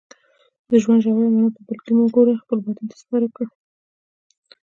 د ژوند ژوره معنا په بل کې مه ګوره خپل باطن ته سفر وکړه